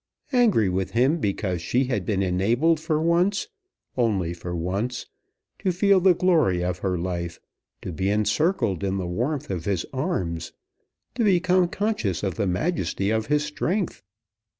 Angry with him because she had been enabled for once, only for once, to feel the glory of her life, to be encircled in the warmth of his arms, to become conscious of the majesty of his strength!